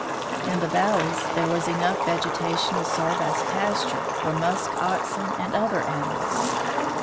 In the valleys there was enough vegetation to serve as pas ture for musk oxen and other animals.